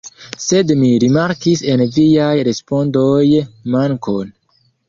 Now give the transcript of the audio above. Sed mi rimarkis en viaj respondoj mankon.